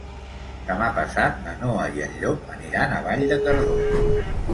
Demà passat na Noa i en Llop aniran a Vall de Cardós.